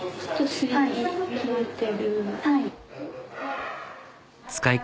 はい。